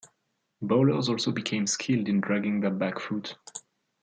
Bowlers also became skilled in dragging their back foot.